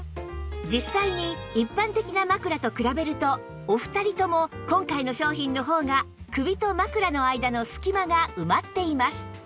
実際に一般的な枕と比べるとお二人とも今回の商品の方が首と枕の間のすき間が埋まっています